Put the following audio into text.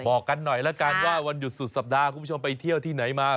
บอกกันหน่อยแล้วกันว่าวันหยุดสุดสัปดาห์คุณผู้ชมไปเที่ยวที่ไหนมา